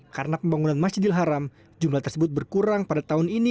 karena pembangunan masjidil haram jumlah tersebut berkurang pada tahun ini